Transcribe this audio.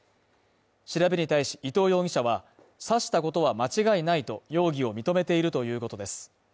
調べに対し伊藤容疑者は刺したことは間違いないと容疑を認めているということです。